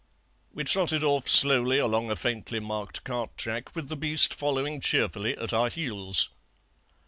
"We trotted off slowly along a faintly marked cart track, with the beast following cheerfully at our heels.